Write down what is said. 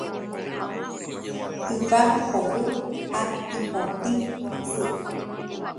Yvága hovy ha ipotĩ asy.